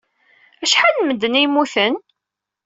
Acḥal n medden ay yemmuten?